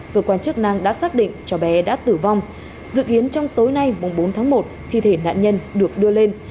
cơ quan chức năng đã xác định cháu bé đã tử vong dự kiến trong tối nay bốn tháng một thi thể nạn nhân được đưa lên